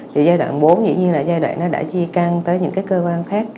thì giai đoạn bốn dĩ nhiên là giai đoạn đã di căng tới những cơ quan khác